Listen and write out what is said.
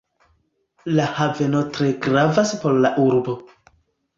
La haveno tre gravas por la urbo.